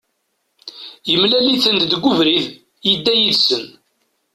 Yemlal-iten-id deg ubrid, yedda yid-sen.